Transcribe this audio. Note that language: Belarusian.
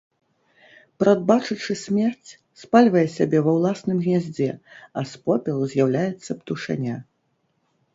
Прадбачачы смерць, спальвае сябе ва ўласным гняздзе, а з попелу з'яўляецца птушаня.